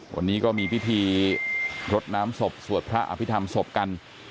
วันนี้ก็มีพิธีรดน้ำศพสวดพระอภิษฐรรมศพกัน